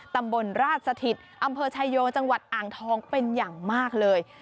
ตำบลราชสถิตอำเภอชายโยจังหวัดอ่างทองเป็นอย่างมากเลย